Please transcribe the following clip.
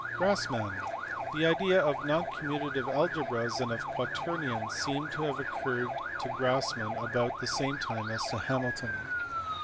Grassmann. The idea of non commutative algebras and of quaternions seems to have occurred to Grassmann at about the same time as to Hamilton.